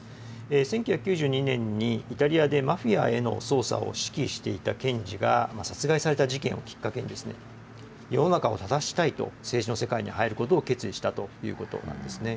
１９９２年にイタリアでマフィアへの捜査を指揮していた検事が殺害された事件をきっかけに、世の中を正したいと政治の世界に入ることを決意したということなんですね。